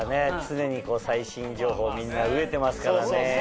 常に最新情報みんな飢えてますからね。